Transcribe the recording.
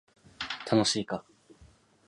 楽しいか